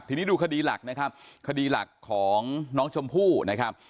ทีนี้ดูคดีหลักนะครับคดีหลักของน้องชมพู่นะครับ